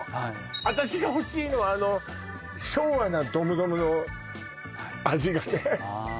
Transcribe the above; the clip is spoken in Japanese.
私が欲しいのはあの昭和なドムドムの味がねああ